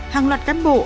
hàng loạt cán bộ